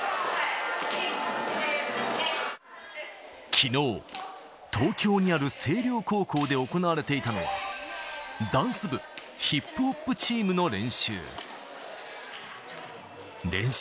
きのう、東京にある星稜高校で行われていたのは、ダンス部ヒップホップチームの練習。